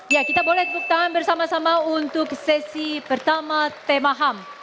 ya kita boleh tepuk tangan bersama sama untuk sesi pertama tema ham